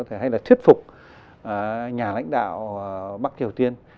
hay là thuyết phục nhà lãnh đạo bắc triều tiên